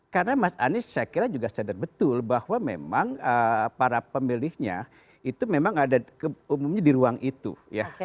karena mas anies saya kira juga sadar betul bahwa memang para pemilihnya itu memang ada umumnya di ruang itu ya